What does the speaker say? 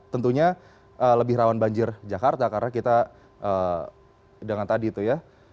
tentunya lebih rawan banjir jakarta karena kita dengan tadi itu ya